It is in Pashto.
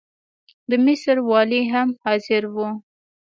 د مصر والي هم حاضر وو.